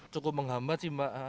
cukup menghambat sih mbak